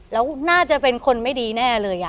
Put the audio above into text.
แล้วน่าจะเป็นคนไม่ดีแน่เลย